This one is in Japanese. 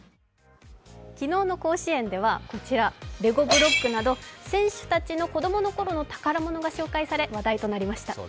昨日の甲子園ではレゴブロックなど選手たちの子供のころの宝物が紹介され、話題となりました。